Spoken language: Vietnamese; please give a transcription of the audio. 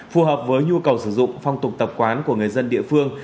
phù hợp với nhu cầu sử dụng phong tục tập quán của người dân địa phương